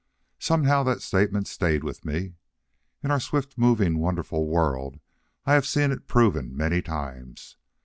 Somehow, that statement stayed with me. In our swift moving wonderful world I have seen it proven many times.